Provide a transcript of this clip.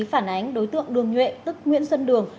phản ánh đối tượng đường nhuệ tức nguyễn xuân đường